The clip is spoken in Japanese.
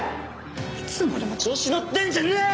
いつまでも調子乗ってんじゃねぇよ